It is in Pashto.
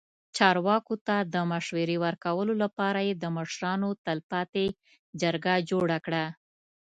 چارواکو ته د مشورې ورکولو لپاره یې د مشرانو تلپاتې جرګه جوړه کړه.